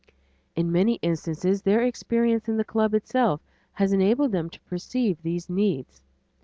In many instances their experience in the club itself has enabled them to perceive these needs.